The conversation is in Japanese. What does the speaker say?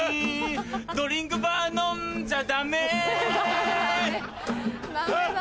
ドリンクバー飲んじゃダメダメダメ。